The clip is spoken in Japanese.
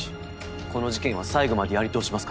この事件は最後までやり通しますから。